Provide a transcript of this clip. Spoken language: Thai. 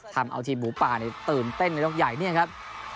ทำเอาทีมหมูป่าตื่นเต้นในยกใหญ่เนี่ยครับ